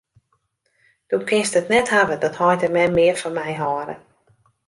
Do kinst it net hawwe dat heit en mem mear fan my hâlde.